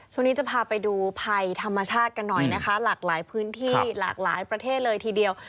ช่วงนี้จะพาไปดูภัยธรรมชาติกันหน่อยนะคะหลากหลายพื้นที่หลากหลายประเทศเลยทีเดียว